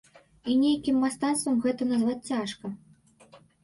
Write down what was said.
І нейкім мастацтвам гэта назваць цяжка.